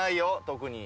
特に。